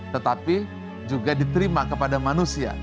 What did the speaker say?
tetapi juga diterima kepada manusia